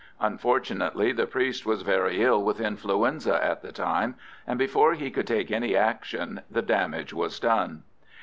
Unfortunately, the priest was very ill with influenza at the time, and before he could take any action the damage was done.